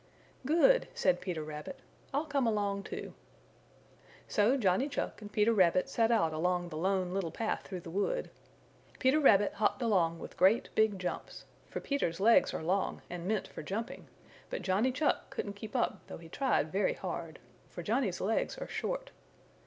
"Good," said Peter Rabbit, "I'll come along too." So Johnny Chuck and Peter Rabbit set out along the Lone Little Path through the wood. Peter Rabbit hopped along with great big jumps, for Peter's legs are long and meant for jumping, but Johnny Chuck couldn't keep up though he tried very hard, for Johnny's legs are short.